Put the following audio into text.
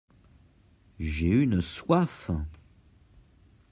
J’ai une soif !